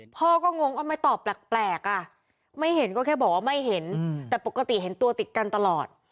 พ่อก็งงทำไมตอบแปลกอ่ะไม่เห็นก็แค่บอกว่าไม่เห็นแต่ปกติเห็นตัวติดกันตลอด